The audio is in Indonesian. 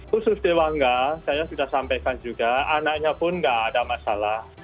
khusus dewangga saya sudah sampaikan juga anaknya pun nggak ada masalah